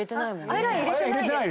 アイライン入れてないです。